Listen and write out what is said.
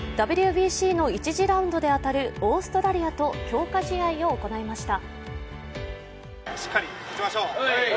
ＷＢＣの１次ラウンドで当たるオーストラリアと強化試合を行いました。